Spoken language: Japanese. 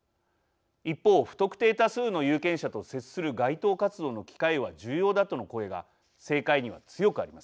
一方不特定多数の有権者と接する街頭活動の機会は重要だとの声が政界には強くあります。